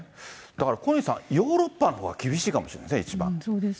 だから小西さん、ヨーロッパのほうが厳しいかもしれないです